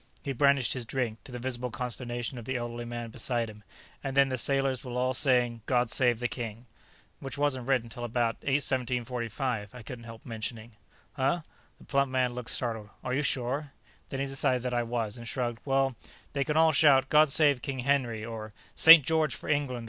'" He brandished his drink, to the visible consternation of the elderly man beside him. "And then, the sailors all sing God Save the King." "Which wasn't written till about 1745," I couldn't help mentioning. "Huh?" The plump man looked startled. "Are you sure?" Then he decided that I was, and shrugged. "Well, they can all shout, 'God Save King Henry!' or 'St. George for England!'